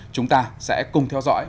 chúng ta sẽ cùng theo dõi